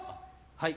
はい。